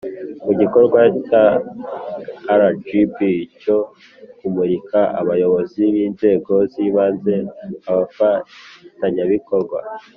Mu gikorwa cya rgb cyo kumurikira abayobozi b inzego z ibanze abafatanyabikorwa